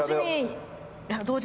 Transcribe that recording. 同時。